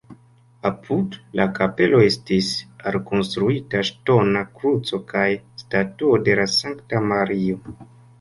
Apud la kapelo estis alkonstruita ŝtona kruco kaj statuo de la sankta Mario.